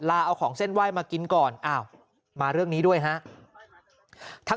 ลาเอาของเส้นไหว้มากินก่อนอ้าวมาเรื่องนี้ด้วยฮะ